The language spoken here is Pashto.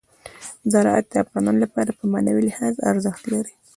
زراعت د افغانانو لپاره په معنوي لحاظ ارزښت لري.